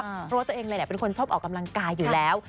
เพราะว่าตัวเองเลยแหละเป็นคนชอบออกกำลังกายอยู่แล้ว